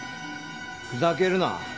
ふざけるな。